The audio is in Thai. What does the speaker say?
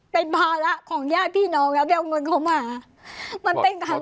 เป็นภาระของญาติพี่น้องนะเดี๋ยวเงินเข้ามามันเป็นคำแรก